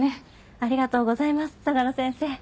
ありがとうございます相良先生。